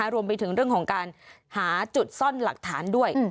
รวมไปถึงเรื่องของการหาจุดซ่อนหลักฐานด้วย